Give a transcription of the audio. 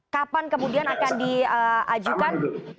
kapan kemudian akan diajukan